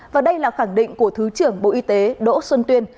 và đây là khẳng định của thứ trưởng bộ y tế đỗ xuân tuyên